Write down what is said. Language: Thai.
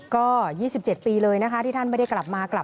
ก็ยี่สิบเจ็ดปีเลยนะคะที่ท่านไม่ได้กลับมา